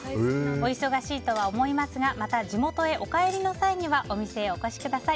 お忙しいとは思いますがまた地元へお帰りの際にはお店へお越しください。